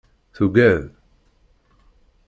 Tugad.